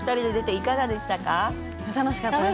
楽しかったです。